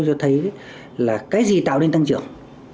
cho thấy là cái gì tạo nên tăng trưởng